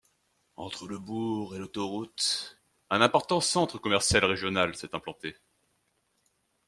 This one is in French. Entre le bourg et l'autoroute un important centre commercial régional s'est implanté.